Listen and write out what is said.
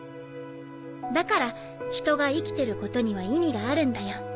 だから人が生きてることには意味があるんだよ。